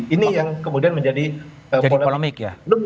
ini yang kemudian menjadi polemik ya